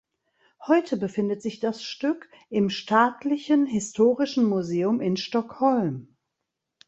Heute befindet sich das Stück im Staatlichen historischen Museum in Stockholm.